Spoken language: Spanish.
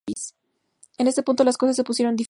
En este punto las cosas se pusieron difíciles.